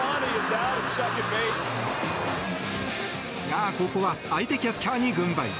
が、ここは相手キャッチャーに軍配。